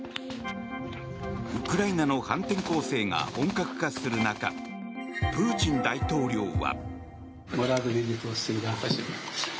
ウクライナの反転攻勢が本格化する中プーチン大統領は。